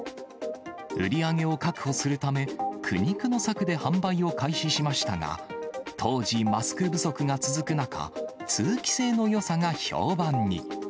売り上げを確保するため、苦肉の策で販売を開始しましたが、当時、マスク不足が続く中、通気性のよさが評判に。